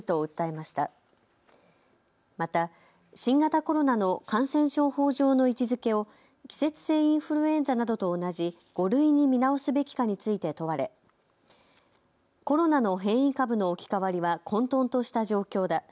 また新型コロナの感染症法上の位置づけを季節性インフルエンザなどと同じ５類に見直すべきかについて問われコロナの変異株の置き換わりは混とんとした状況だ。